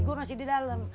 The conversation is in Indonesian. gue masih di dalam